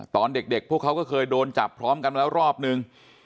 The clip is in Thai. ตอนเด็กพวกเขาก็เคยโดนจับพร้อมกันแล้วรอบนึง